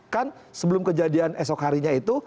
kan sebelum kejadian esok harinya itu